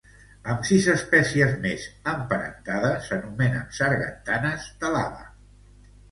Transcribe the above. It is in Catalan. Amb sis espècies més emparentades s'anomenen sargantanes de lava.